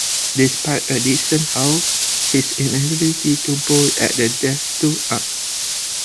Despite a decent haul, his inability to bowl at the death stood out.